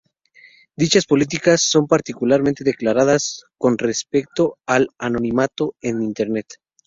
Dichas políticas son particularmente declaradas con respecto al anonimato en Internet.